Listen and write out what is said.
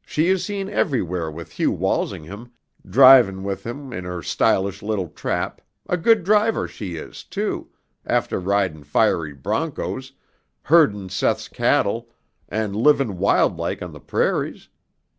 She is seen everywhere with Hugh Walsingham, drivin' with him in her stylish little trap, a good driver she is, too, after ridin' fiery bronchos, herdin' Seth's cattle and livin' wild like on the prairies.